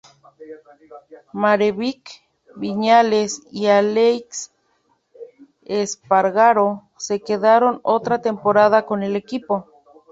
Maverick Viñales y Aleix Espargaró se quedaron otra temporada con el equipo.